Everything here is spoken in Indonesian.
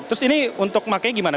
terus ini untuk makanya gimana